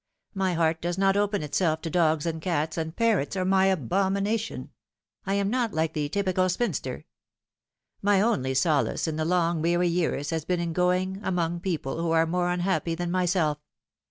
My heart does not open itself to dogs and cats, and parrots are my abomination. I am not like the typical spinster. My only solace in the long weary years has been in going among people who are more unhappy than myself.